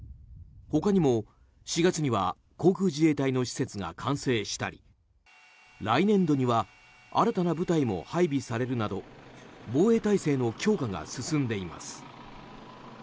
他にも４月には航空自衛隊の施設が完成したり来年度には新たな部隊も配備されるなど防衛体制の強化が進んでいます。